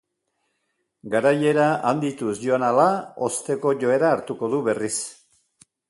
Garaiera handituz joan ahala hozteko joera hartuko du berriz.